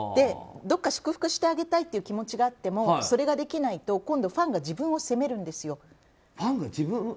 どこか祝福してあげたいという気持ちがあってもそれができないと今度ファンが自分を責めるんです。